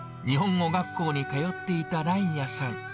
日本語学校に通っていたライヤさん。